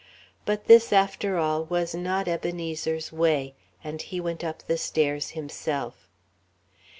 But this, after all, was not Ebenezer's way; and he went up the stairs himself.